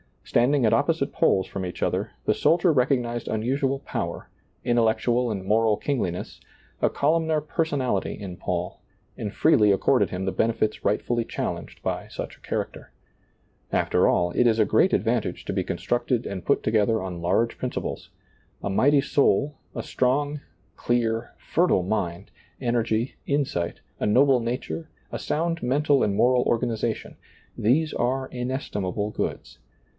Standing at opposite poles from each other, the soldier recognized unusual power, intellectual and moral kingliness, a columnar personality in Paul, and freely accorded him the benefits rightfully challenged by such a character. Aflier all, it is a great advantage to be constructed and put t(^ether on lai^e principles — a mighty soul, a ^lailizccbvGoOgle 104 SEEING DARI^LV Strong, clear, fertile mind, energy, insight, a noble nature, a sound mental and moral organization ; these are inestimable goods.